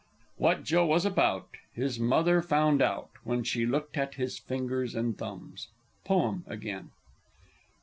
"What Joe was about, His mother found out, When she look'd at his fingers and thumbs." _Poem again.